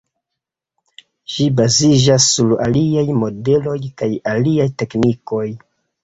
Ĝi baziĝas sur aliaj modeloj kaj aliaj teknikoj.